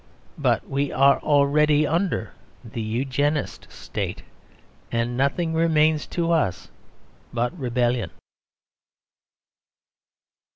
But we are already under the Eugenist State; and nothing remains to us but rebellion.